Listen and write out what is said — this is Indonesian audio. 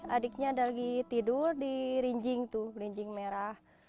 adiknya ada lagi tidur di rinjing tuh rinjing merah